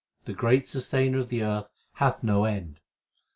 The great Sustainer of the earth hath no end.